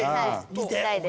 聞きたいです。